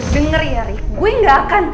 dengar ya rik gue gak akan